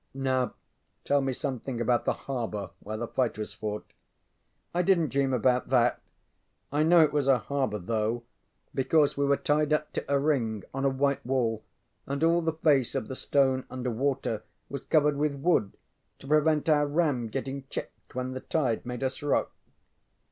ŌĆØ ŌĆ£Now tell me something about the harbor where the fight was fought. ŌĆØ ŌĆ£I didnŌĆÖt dream about that. I know it was a harbor, though; because we were tied up to a ring on a white wall and all the face of the stone under water was covered with wood to prevent our ram getting chipped when the tide made us rock.